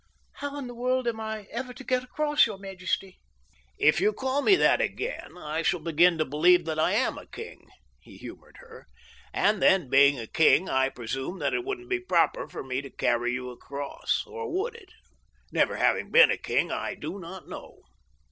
"How in the world am I ever to get across, your majesty?" "If you call me that again, I shall begin to believe that I am a king," he humored her, "and then, being a king, I presume that it wouldn't be proper for me to carry you across, or would it? Never really having been a king, I do not know."